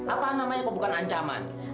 apaan namanya kebukan ancaman